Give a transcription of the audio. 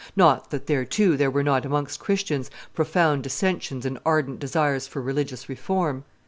Not that, there too, there were not amongst Christians profound dissensions and ardent desires for religious reform.